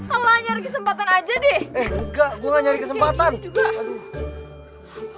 alah nyari kesempatan aja deh